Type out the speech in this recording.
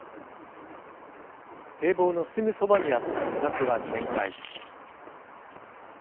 堤防のすぐそばにあった自宅は全壊。